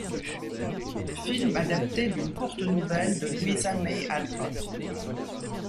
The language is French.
Film adapté d'une courte nouvelle de Louisa May Alcott.